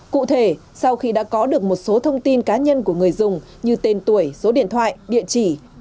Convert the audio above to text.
cụ thể sau khi đã có được một số thông tin cá nhân của người dùng như tên tuổi số điện thoại địa chỉ